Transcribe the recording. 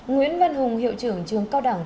nguyễn văn hùng hiệu trưởng trường cao đẳng